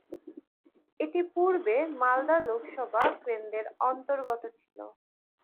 এটি পূর্বে মালদা লোকসভা কেন্দ্রের অন্তর্গত ছিল।